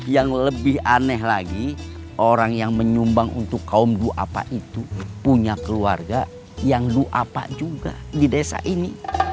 yang lebih aneh lagi orang yang menyumbang untuk kaum gu apa itu punya keluarga yang lu apa juga di desa ini